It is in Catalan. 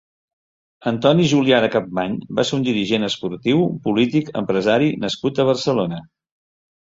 Antoni Julià de Capmany va ser un dirigent esportiu, polític, empresari nascut a Barcelona.